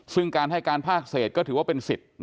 ซึ่งการให้การภาคเศษก็ถือว่าเป็นสิทธิ์